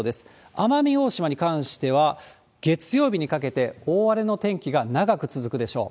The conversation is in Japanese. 奄美大島に関しては、月曜日にかけて大荒れの天気が長く続くでしょう。